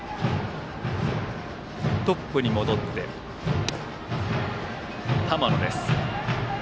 トップに戻って浜野です。